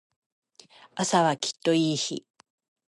明日はきっといい日